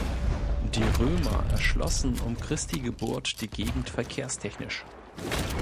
Die Römer erschlossen um Christi Geburt die Gegend verkehrstechnisch.